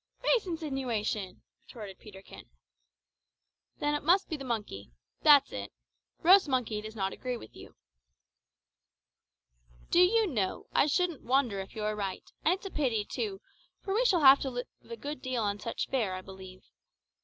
"Base insinuation!" retorted Peterkin. "Then it must be the monkey. That's it. Roast monkey does not agree with you." "Do you know, I shouldn't wonder if you were right; and it's a pity, too, for we shall have to live a good deal on such fare, I believe.